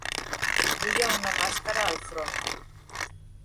Duia una mascara al front.